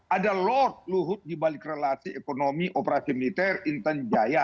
ada lord luhut dibalik relasi ekonomi operasi militer intan jaya